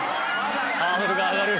ハードルが上がる。